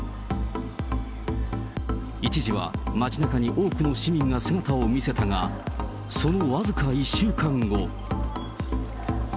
一時は街なかに多くの市民が姿を見せたが、その僅か１週間後。